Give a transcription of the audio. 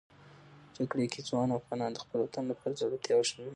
جګړې کې ځوان افغانان د خپل وطن لپاره زړورتیا وښودله.